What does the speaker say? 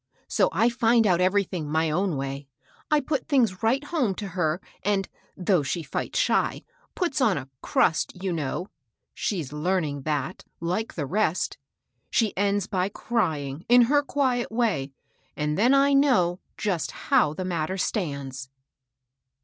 So I find out everything my own way. I put things right home to her, and, though she fights shy, puts on a crust, you know (she's learning that, like the rest), she ends by crying, in her quiet way, and then I know just how the matter stands."